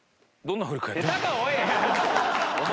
お前！